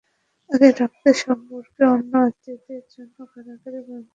আগে রক্তের সম্পর্কের অন্য আত্মীয়দের জন্য কারাগারের বন্দীরা প্যারোলে মুক্তি পেতে পারতেন।